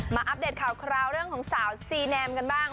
อัปเดตข่าวคราวเรื่องของสาวซีแนมกันบ้าง